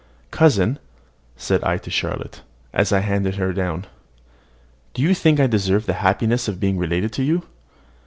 "Cousin," said I to Charlotte, as I handed her down, "do you think I deserve the happiness of being related to you?"